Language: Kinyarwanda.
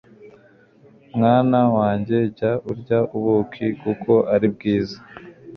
Mwana wanjye jya urya ubuki kuko ari bwiza